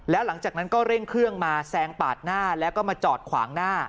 แล้วหลังจากนั้นก็เร่งเครื่องมาแซงปาดหน้าแล้วก็มาจอดขวางหน้า